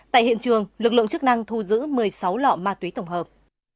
tại hiện trường lực lượng chức năng thu giữ một mươi sáu lọ ma túy tổng hợp